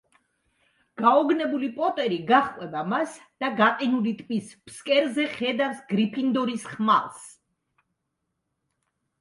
გაოგნებული პოტერი გაჰყვება მას და გაყინული ტბის ფსკერზე ხედავს გრიფინდორის ხმალს.